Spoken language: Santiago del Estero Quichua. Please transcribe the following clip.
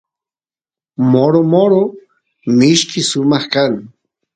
moro moro mishki sumaq kan